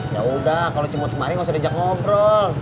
yaudah kalo cimot kemari gak usah diajak ngobrol